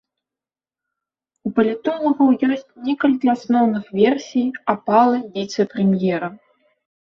У палітолагаў ёсць некалькі асноўных версій апалы віцэ-прэм'ера.